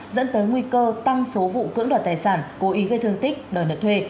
dẫn tới nguy cơ tăng số vụ cưỡng đoạt tài sản cố ý gây thương tích đòi nợ thuê